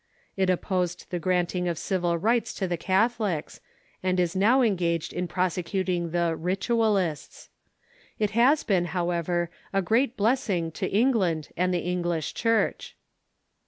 It opposed the granting of civil rights to the Cath olics, and is now engaged in prosecuting the " Ritualists." It has been, however, a great blessing to England and the Eng lish Church.